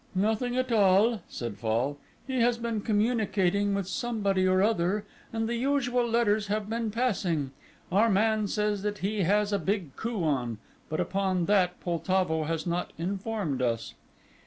"Nothing at all," said Fall; "he has been communicating with somebody or other, and the usual letters have been passing. Our man says that he has a big coup on, but upon that Poltavo has not informed us."